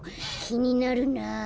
きになるなあ。